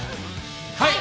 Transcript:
はい！